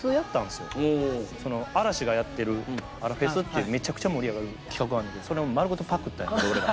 嵐がやってる「アラフェス」っていうめちゃくちゃ盛り上がる企画あんねんけどそれを丸ごとパクったんやけど俺ら。